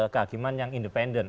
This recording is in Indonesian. kehakiman yang independen